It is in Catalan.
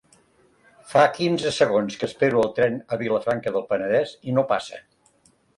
Fa quinze segons que espero el tren a Vilafranca del Penedès i no passa.